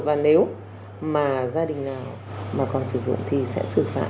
và nếu mà gia đình nào mà còn sử dụng thì sẽ xử phạt